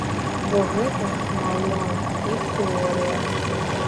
Бо гэта, маўляў, іх тэрыторыя.